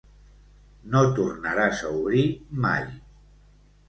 No tornaràs a obrir mai.